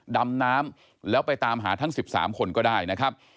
ดำน้ำแล้วไปตามหาทั้ง๑๓คนก็ได้นะครับ